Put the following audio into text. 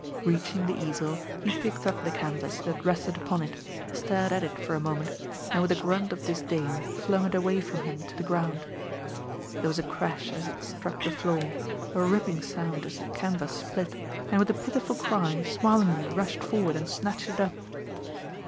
Reaching the easel he picked up the canvas that rested upon it, stared at it for a moment and with a grunt of disdain flung it away from him to the ground. There was a crash as it struck the floor, a ripping sound as the canvas split, and with a pitiful cry Smarlinghue rushed forward and snatched it up.